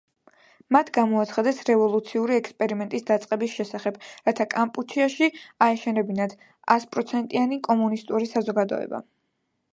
მათ გამოაცხადეს „რევოლუციური ექსპერიმენტის“ დაწყების შესახებ, რათა კამპუჩიაში აეშენებინათ „ასპროცენტიანი კომუნისტური საზოგადოება“.